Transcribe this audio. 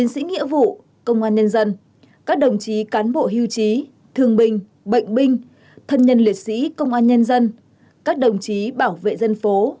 xin chào các bạn